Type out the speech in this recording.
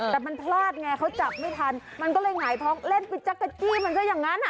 แต่มันพลาดไงเขาจับไม่ทันมันก็เลยหงายท้องเล่นไปจักรกี้มันก็อย่างนั้น